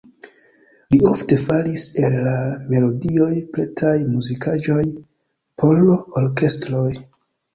Li ofte faris el la melodioj pretaj muzikaĵoj por orkestroj.